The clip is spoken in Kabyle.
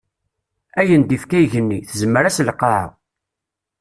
Ayen d-ifka igenni, tezmer-as lqaɛa.